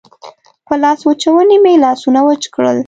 په لاسوچوني مې لاسونه وچ کړل.